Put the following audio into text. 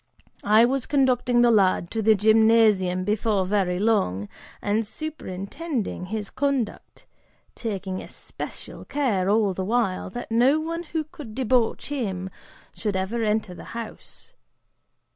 I was conducting the lad to the gymnasium before very long, and superintending his conduct, taking especial care, all the while, that no one who could debauch him should ever enter the house.